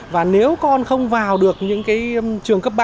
và nếu con không vào được những cái trường cấp ba